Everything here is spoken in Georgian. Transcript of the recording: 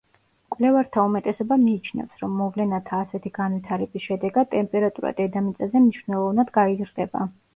მკვლევართა უმეტესობა მიიჩნევს, რომ მოვლენათა ასეთი განვითარების შედეგად ტემპერატურა დედამიწაზე მნიშვნელოვნად გაიზრდება.